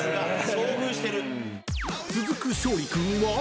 ［続く勝利君は？］